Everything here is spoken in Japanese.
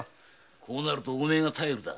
こうなるとお前が頼りだ。